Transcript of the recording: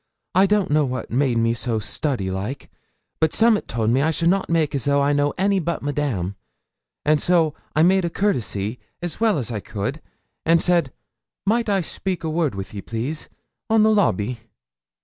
I don't know what made me so study like, but som'at told me I should not make as though I knew any but Madame; and so I made a courtesy, as well as I could, and I said, "Might I speak a word wi' ye, please, on the lobby?"